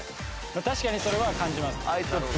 確かにそれは感じます。